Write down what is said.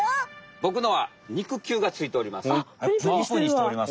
ボクのは肉球がついております。